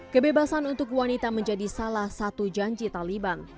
kebebasan untuk wanita menjadi salah satu janji taliban